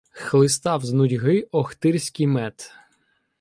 Хлистав з нудьги охтирський мед.